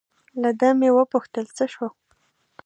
له ده مې و پوښتل: څه شو؟